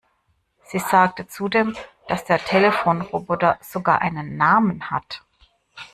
Sie sagte zudem, dass der Telefonroboter sogar einen Namen hat.